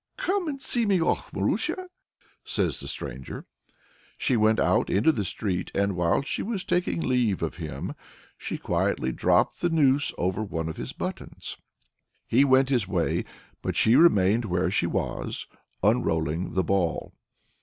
"Come and see me off, Marusia!" says the stranger. She went out into the street, and while she was taking leave of him she quietly dropped the noose over one of his buttons. He went his way, but she remained where she was, unrolling the ball.